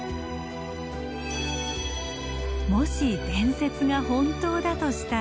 もし伝説が本当だとしたら。